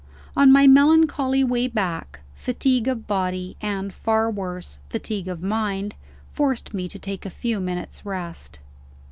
On my melancholy way back, fatigue of body and, far worse, fatigue of mind forced me to take a few minutes' rest.